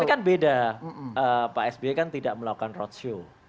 ini kan beda pak sby kan tidak melakukan roadshow